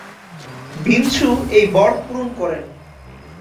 বিষ্ণু এই বর পূরণ করেন।